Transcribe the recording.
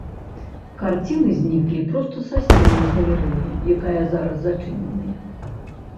Карціны зніклі проста са сценаў галерэі, якая зараз зачыненая.